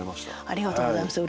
ありがとうございます。